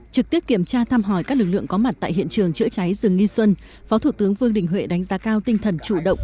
trực tiếp kiểm tra thăm hỏi các lực lượng có mặt tại hiện trường chữa cháy rừng nghi xuân phó thủ tướng vương đình huệ đánh giá cao tinh thần chủ động